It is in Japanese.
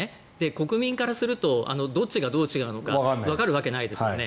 国民からするとどっちがどう違うかわかるわけないですよね。